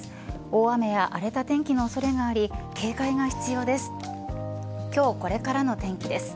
大雨や荒れた天気の恐れがあり警戒が必要です。